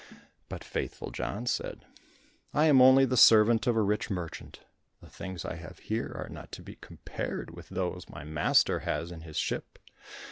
But Faithful John said, "I am only the servant of a rich merchant. The things I have here are not to be compared with those my master has in his ship.